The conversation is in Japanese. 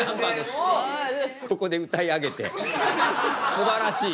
すばらしい！